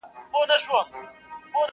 همېشه به د مالِک ترشا روان ؤ،